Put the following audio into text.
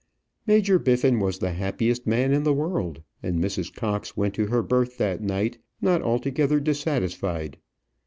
Major Biffin was the happiest man in the world, and Mrs. Cox went to her berth that night not altogether dissatisfied.